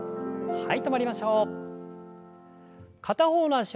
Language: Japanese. はい。